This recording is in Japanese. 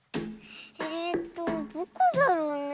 えっとどこだろうねえ。